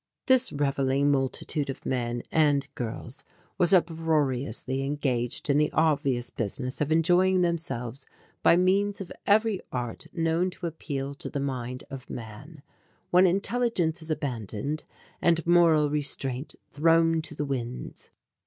This revelling multitude of men and girls was uproariously engaged in the obvious business of enjoying themselves by means of every art known to appeal to the mind of man when intelligence is abandoned and moral restraint thrown to the winds.